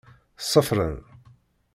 Ṣeffren.